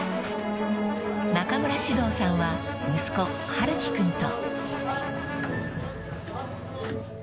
［中村獅童さんは息子陽喜君と］